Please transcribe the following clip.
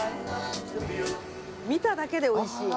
見ただけで美味しい。